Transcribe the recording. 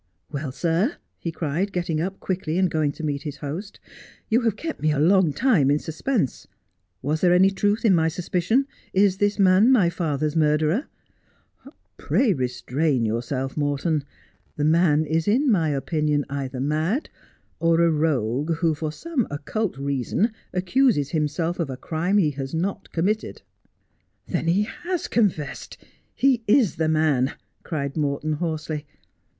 ' Well, sir,' he cried, getting up quickly and going to meet his host, ' you have kept me a long time in suspense. Was there any truth in my suspicion ? Is this man my father's murderer ?'' Pray restrain yourself, Morton. The man is in my opinion either mad, or a rogue who for some occult reason accuses himself of a crime he has not committed.' ' Then he has confessed — he is the man/ cried Morton hoarsely.